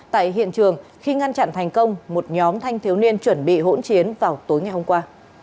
tại hiện trường khi ngăn chặn thành công một nhóm thanh thiếu niên chuẩn bị hỗn chiến vào tối ngày hôm qua